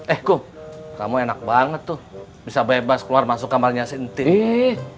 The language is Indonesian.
eh kum kamu enak banget tuh bisa bebas keluar masuk kamarnya si ntintin